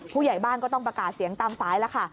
ผู้ใหญ่บ้านก็ต้องประกาศเสียงตามสายแล้วค่ะ